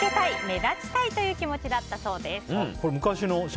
目立ちたいという気持ちだったそうです。